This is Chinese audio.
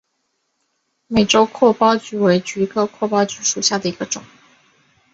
美洲阔苞菊为菊科阔苞菊属下的一个种。